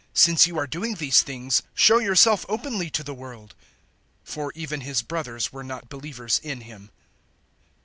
Since you are doing these things, show yourself openly to the world." 007:005 For even His brothers were not believers in Him.